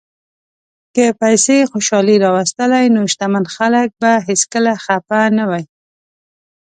که پیسې خوشالي راوستلی، نو شتمن خلک به هیڅکله خپه نه وای.